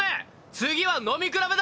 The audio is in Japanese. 次は飲み比べだ！